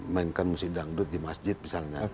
mainkan musik dangdut di masjid misalnya